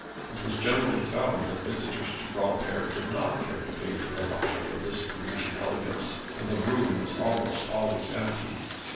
It was generally found that visitors to Granpere did not care to pay for the luxury of this Parisian elegance, and the room was almost always empty.